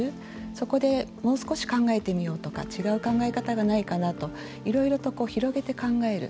そこでもう少し考えてみようとか違う考え方がないかなといろいろと広げて考える